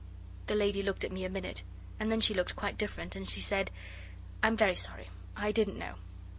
The lady looked at me a minute, and then she looked quite different, and she said, 'I'm very sorry. I didn't know.